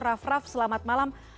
raff raff selamat malam